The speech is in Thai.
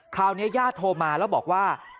คราวนี้ญาติโทรมาแล้วบอกว่า